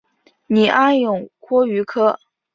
拟阿勇蛞蝓科。